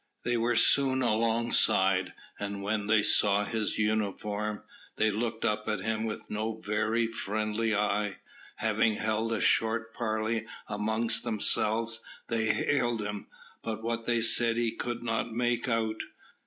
They were soon alongside, and when they saw his uniform, they looked up at him with no very friendly eye. Having held a short parley among themselves, they hailed him, but what they said he could not make out.